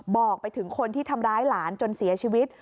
บอกไปถึงคนที่ทำร้ายหลานจนเสียชีวิต